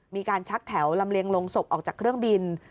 มีการชักแถวลำเลียงลงศพออกจากเครื่องบิน